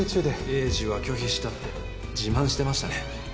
栄治は拒否したって自慢してましたね